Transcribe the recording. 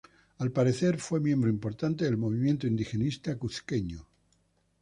Al parecer fue miembro importante del movimiento indigenista cuzqueño.